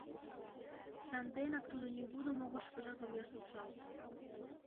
Санденак тудо нигудо могырышкыжат огеш лупшалт.